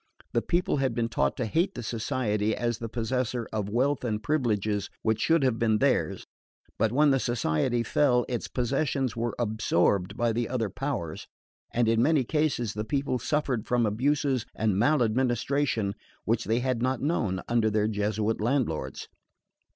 The people had been taught to hate the Society as the possessor of wealth and privileges which should have been theirs; but when the Society fell its possessions were absorbed by the other powers, and in many cases the people suffered from abuses and maladministration which they had not known under their Jesuit landlords.